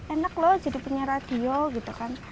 enak lho jadi penyiar radio gitu kan